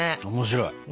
おもしろい。